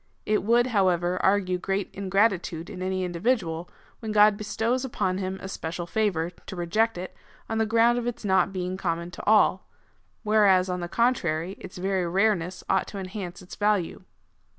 It would, liow ever, argue great ingratitude in any individual, when God bestows upon him a special favour, to reject it, on the ground of its not being common to all, whereas, on the contrary, its very rareness ought to enhance its value.